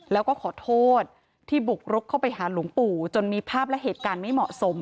แล้วก็ขอโทษที่บุกรุกเข้าไปหาหลวงปู่จนมีภาพและเหตุการณ์ไม่เหมาะสม